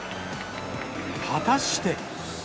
果たして。